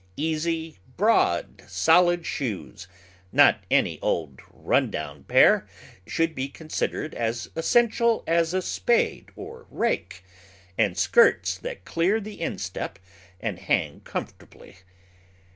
Easy, broad, solid shoes — not any old run down pair — should be considered as essential as a spade, or rake, and skirts that clear the instep, and hang comfortably.